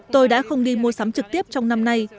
tôi đã không đi mua sắm trực tiếp trong năm nay